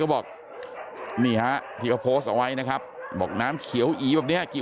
ก็บอกนี่ค่ะที่เคยโพสต์ไว้นะครับบอกน้ำเขียวอีแบบนี้กี่